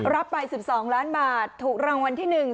รับไปสิบสองล้านบาทถูกรางวัลที่หนึ่ง